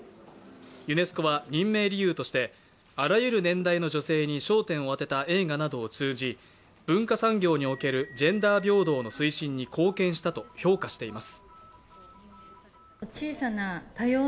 ユネスコは任命理由としてあらゆる年代の女性に焦点を当てた映画などを通じ文化産業におけるジェンダー平等の推進に貢献したと評価しています。